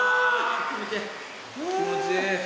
気持ちいい！